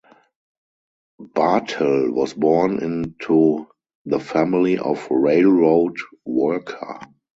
Barthel was born in to the family of railroad worker.